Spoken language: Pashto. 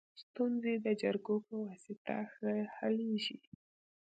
ستونزي د جرګو په واسطه ښه حلیږي.